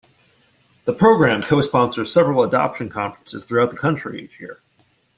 The program co-sponsors several adoption conferences throughout the country each year.